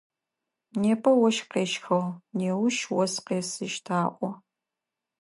Непэ ощх къещхыгъ, неущ ос къесыщт аӏо.